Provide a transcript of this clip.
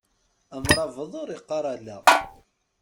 Amṛabeḍ ur iqqar ala.